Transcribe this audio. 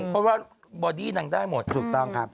เพราะว่าบอดี้นางได้หมดถูกต้องครับ